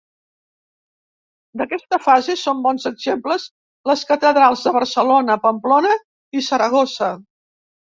D'aquesta fase són bons exemples les catedrals de Barcelona, Pamplona i Saragossa.